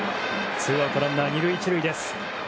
ツーアウトランナー２塁、１塁です。